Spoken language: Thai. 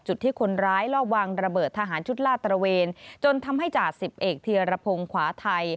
จุดที่คนร้ายลอบวางระเบิดทหารชุดลาดตระเวนจนทำให้จ่าสิบเอกเทียรพงศ์ขวาไทย